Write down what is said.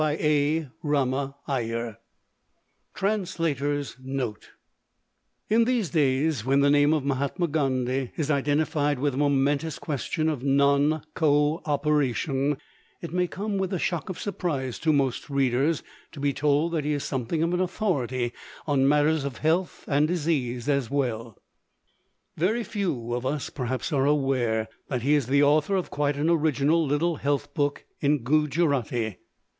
Conclusion 142 TRANSLATOR'S NOTE In these days when the name of Mahatma Gandhi is identified with the momentous question of Non Co operation, it may come with a shock of surprise to most readers to be told that he is something of an authority on matters of Health and Disease as well. Very few of us perhaps are aware that he is the author of quite an original little Health book in Gujarati.